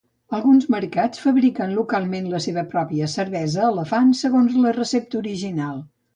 Alguns mercats fabriquen localment la seva pròpia Cervesa Elefant segons la recepta original.